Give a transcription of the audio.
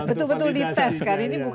betul betul dites kan